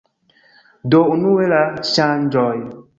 Do, unue la ŝanĝoj